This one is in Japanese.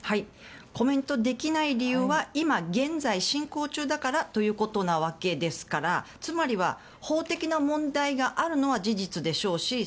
コメントできない理由は今現在進行中だからということなわけですからつまりは、法的な問題があるのは事実でしょうし